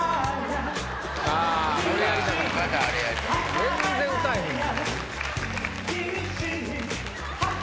全然歌えへんがな。